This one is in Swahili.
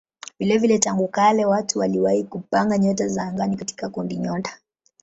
Vilevile tangu kale watu waliwahi kupanga nyota za angani katika kundinyota.